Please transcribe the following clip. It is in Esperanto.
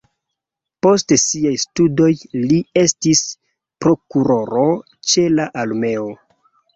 Post siaj studoj li estis prokuroro ĉe la armeo.